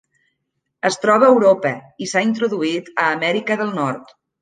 Es troba a Europa i s'ha introduït a Amèrica del Nord.